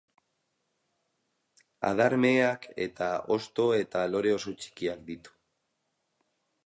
Adar meheak eta hosto eta lore oso txikiak ditu.